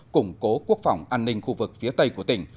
củng cố quốc phòng an ninh khu vực phía tây của tỉnh